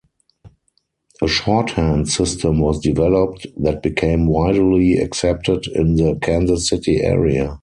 A shorthand system was developed that became widely accepted in the Kansas City area.